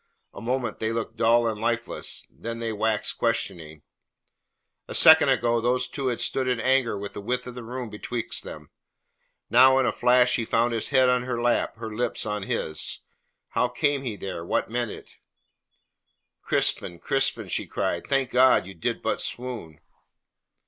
A moment they looked dull and lifeless, then they waxed questioning. A second ago these two had stood in anger with the width of the room betwixt them; now, in a flash, he found his head on her lap, her lips on his. How came he there? What meant it? "Crispin, Crispin," she cried, "thank God you did but swoon!"